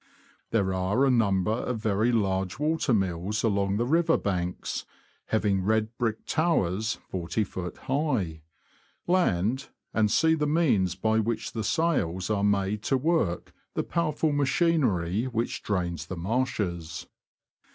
There are a number of very large water mills along the river banks, having red brick towers 40ft. high. Land, and see the means by which the sails are made to work the powerful machinery which drains the marshes.